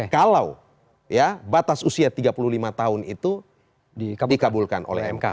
kalau batas usia tiga puluh lima tahun itu dikabulkan oleh mk